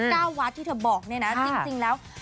เก้าวัดที่เธอบอกเนี่ยนะจริงแล้ว